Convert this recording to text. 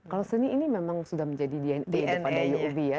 kalau seni ini memang sudah menjadi dna kepada uob ya